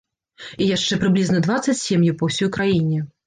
І яшчэ прыблізна дваццаць сем'яў па ўсёй краіне.